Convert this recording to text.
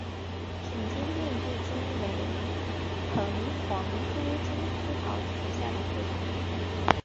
挺茎遍地金为藤黄科金丝桃属下的一个种。